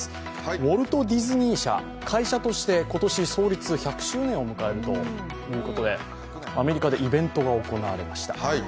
ウォルト・ディズニー社、会社として今年創立１００周年を迎えるということで、アメリカでイベントが行われました。